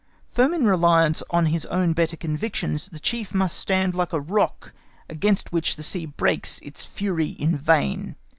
Firm in reliance on his own better convictions, the Chief must stand like a rock against which the sea breaks its fury in vain.